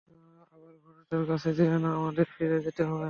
আবার ঘোড়াটার কাছে যেয়ো না, আমাদের ফিরে যেতে হবে!